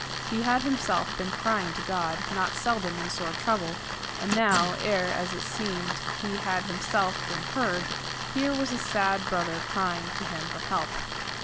He had himself been crying to God, not seldom in sore trouble, and now, ere, as it seemed, he had himself been heard, here was a sad brother crying to him for help.